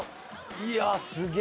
いやあすげえ！